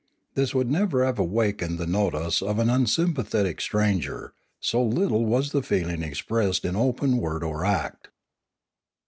This would never have awakened the notice of an unsympathetic stranger, so little was the feeling expressed in open word or act.